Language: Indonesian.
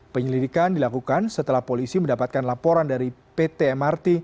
penyelidikan dilakukan setelah polisi mendapatkan laporan dari pt mrt